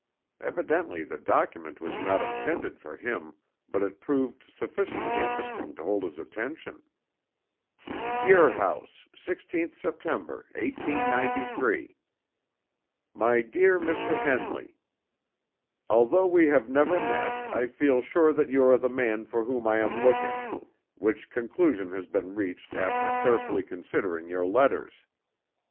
Evidently the document was not intended for him, but it proved sufficiently interesting to hold his attention. GUIR HOUSE, 16TH SEPT., 1893. MY DEAR MR. HENLEY: Although we have never met, I feel sure that you are the man for whom I am looking, which conclusion has been reached after carefully considering your letters.